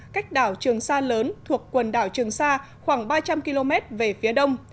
cách đảo trường sa lớn thuộc quần đảo trường sa khoảng ba trăm linh km về phía đông